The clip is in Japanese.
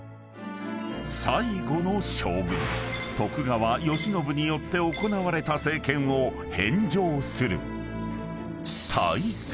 ［最後の将軍徳川慶喜によって行われた政権を返上する］